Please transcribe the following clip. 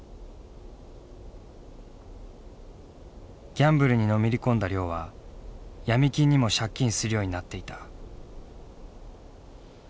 ギャンブルにのめり込んだ亮は闇金にも借金するようになっていた。